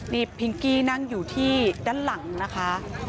นี่พิงกี้นั่งอยู่ที่ด้านหลังนะคะ